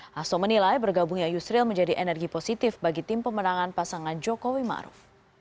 hasto menilai bergabungnya yusril menjadi energi positif bagi tim pemenangan pasangan jokowi maruf